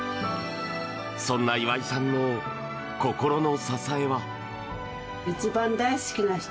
そんな岩井さんの心の支えは。